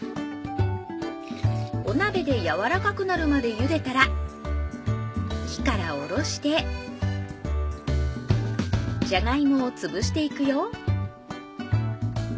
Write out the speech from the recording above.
お鍋でやわらかくなるまでゆでたら火からおろしてじゃがいもを潰していくよ